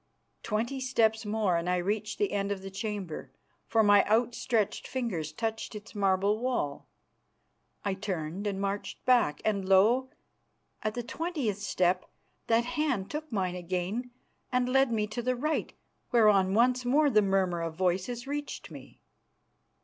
Twenty steps more and I reached the end of the chamber, for my outstretched fingers touched its marble wall. I turned and marched back, and lo! at the twentieth step that hand took mine again and led me to the right, whereon once more the murmur of voices reached me.